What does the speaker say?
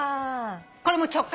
これも直感で。